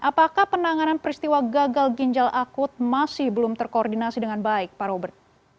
apakah penanganan peristiwa gagal ginjal akut masih belum terkoordinasi dengan baik pak robert